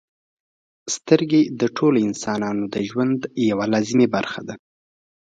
• سترګې د ټولو انسانانو ژوند یوه لازمي برخه ده.